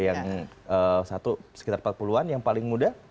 yang satu sekitar empat puluh an yang paling muda